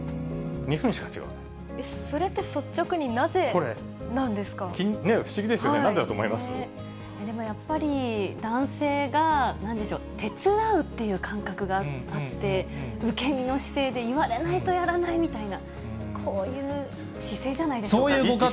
それって、率直になぜなんで不思議ですよね、なんでだとでもやっぱり、男性がなんでしょう、手伝うという感覚があって、受け身の姿勢で、言われないとやらないみたいな、こういう姿勢じゃないでしょうか。